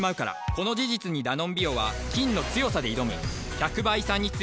この事実にダノンビオは菌の強さで挑む。